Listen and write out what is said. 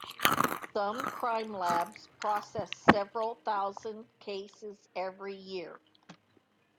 Some crime labs process several thousand cases every year.